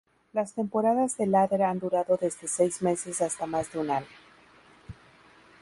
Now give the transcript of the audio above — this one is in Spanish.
Las temporadas de "ladder" han durado desde seis meses hasta más de un año.